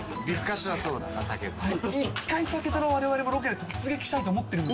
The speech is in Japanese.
一回、竹園、われわれもロケで突撃したいと思ってるんです。